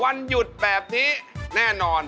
วันหยุดแบบนี้แน่นอน